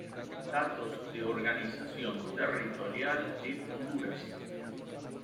Datos de organización territorial de Honduras